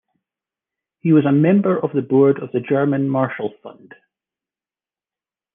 He was a member of the Board of the German Marshall Fund.